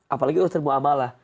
apalagi urusan mu'amalah